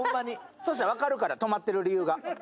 そしたら分かるから、止まってる理由が。